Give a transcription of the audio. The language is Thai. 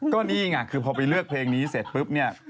ก็นี่ไงคือพอไปเลือกเพลงนี้เสร็จปุ๊บเนี่ย